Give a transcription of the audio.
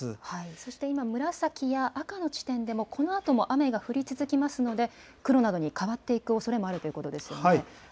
そして今、紫や赤の地点でも、このあとも雨が降り続きますので、黒などに変わっていくおそれもあるということですよね。